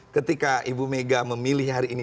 ketika ibu mega memilih hari ini